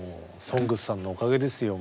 「ＳＯＮＧＳ」さんのおかげですよ